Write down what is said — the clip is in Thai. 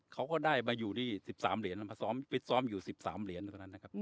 เขาก็ได้มาอยู่ที่สิบสามเหรียญมาซ้อมไปซ้อมอยู่สิบสามเหรียญเท่านั้นนะครับ